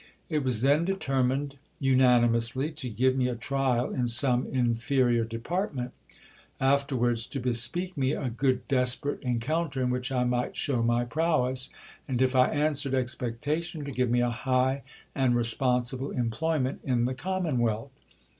It was then determined unanimously to give me a trial in some inferior department ; afterwards to bespeak me a good des perate encounter in which I might show my prowess ; and if I answered ex pectation to give me a high and responsible employment in the commonwealth.